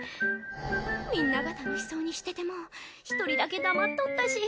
みんなが楽しそうにしてても１人だけ黙っとったし